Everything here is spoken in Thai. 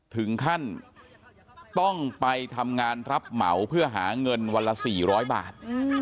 ถึงขั้นต้องไปทำงานรับเหมาเพื่อหาเงินวันละ๔๐๐บาท